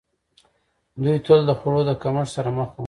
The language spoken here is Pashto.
دوی تل د خوړو د کمښت سره مخ وو.